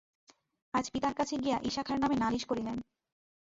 আজ পিতার কাছে গিয়া ইশা খাঁর নামে নালিশ করিলেন।